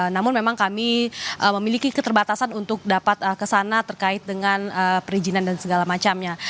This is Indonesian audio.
namun memang kami memiliki keterbatasan untuk dapat kesana terkait dengan perizinan dan segala macamnya